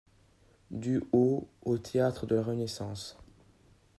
Du au au Théâtre de la Renaissance.